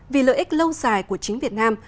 vì lợi ích lâu dài của chính việt nam